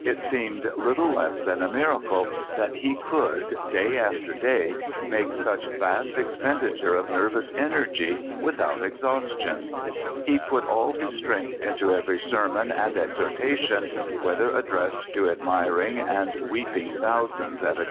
It seemed little less than a miracle that he could, day after day, make such vast expenditure of nervous energy without exhaustion. He put all his strength into every sermon and exhortation, whether ad dressed to admiring and weeping thousands at a FATHER FISUEB.